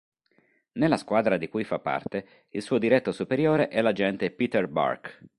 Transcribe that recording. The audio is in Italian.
Nella squadra di cui fa parte il suo diretto superiore è l'agente Peter Burke.